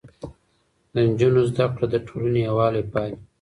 د نجونو زده کړه د ټولنې يووالی پالي.